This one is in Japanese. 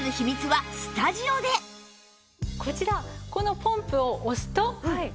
こちらこのポンプを押すと。